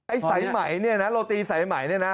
ไอ้ไสมัยนี่นะโรตีไสมัยนี่นะ